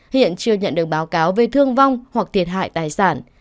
hiện chưa nhận được báo cáo về thương vong hoặc thiệt hại tài sản